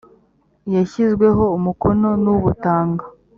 yashyizweho umukono n ubutanga